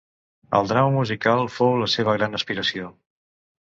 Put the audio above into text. El drama musical fou la seva gran aspiració.